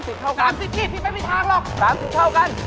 ๓๐ที่ไม่มีทางหรอก๓๐เท่ากัน